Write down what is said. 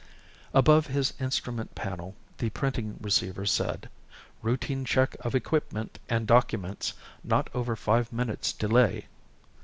Above his instrument panel the printing receiver said "Routine Check of Equipment and Documents. Not Over Five Minutes' Delay."